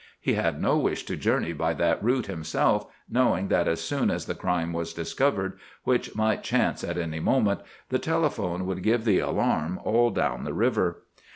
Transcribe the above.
He had no wish to journey by that route himself, knowing that as soon as the crime was discovered, which might chance at any moment, the telephone would give the alarm all down the river.